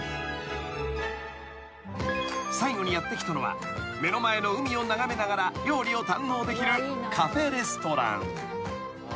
［最後にやって来たのは目の前の海を眺めながら料理を堪能できるカフェレストラン］